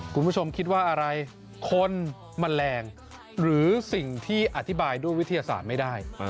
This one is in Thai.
คุณผู้ชมคิดว่าอะไรคนแมลงหรือสิ่งที่อธิบายด้วยวิทยาศาสตร์ไม่ได้